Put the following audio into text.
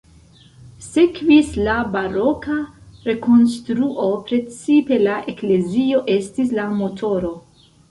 Sekvis la baroka rekonstruo, precipe la eklezio estis la motoro.